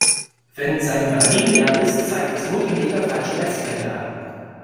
Wenn seine Batterie leer ist, zeigt das Multimeter falsche Messwerte an.